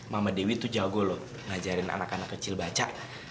mama dewi itu jago loh ngajarin anak anak kecil baca